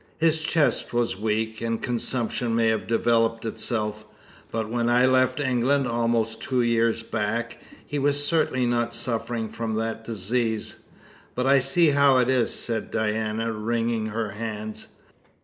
"His chest was weak, and consumption may have developed itself, but when I left England, almost two years back, he was certainly not suffering from that disease. But I see how it is," said Diana, wringing her hands.